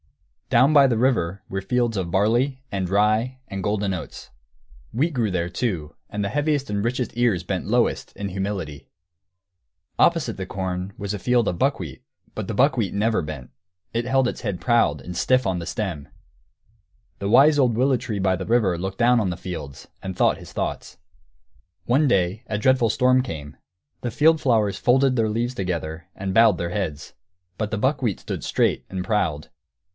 ] Down by the river were fields of barley and rye and golden oats. Wheat grew there, too, and the heaviest and richest ears bent lowest, in humility. Opposite the corn was a field of buckwheat, but the buckwheat never bent; it held its head proud and stiff on the stem. The wise old willow tree by the river looked down on the fields, and thought his thoughts. One day a dreadful storm came. The field flowers folded their leaves together, and bowed their heads. But the buckwheat stood straight and proud.